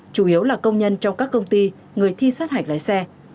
chủ yếu là công nhân trong các công ty người thi sát hạch lái xe